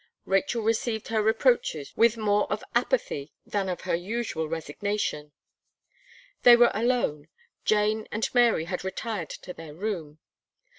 Rachel received her reproaches with more of apathy than of her usual resignation. They were alone; Jane and Mary had retired to their room.